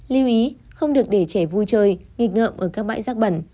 lưu ý không được để trẻ vui chơi nghịch ngợm ở các bãi rác bẩn